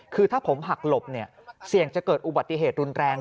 คือถ้าผมหักหลบเสี่ยงจะเกิดอุบัติเหตุรุนแรง